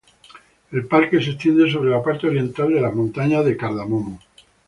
El parque se extiende sobre la parte oriental de las montañas de Cardamomo.